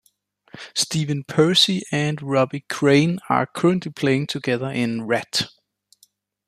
Stephen Pearcy and Robbie Crane are currently playing together in Ratt.